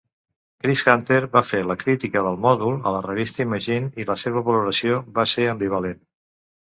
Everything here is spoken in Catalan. Chris Hunter va fer la crítica del mòdul a la revista Imagine i la seva valoració va ser ambivalent.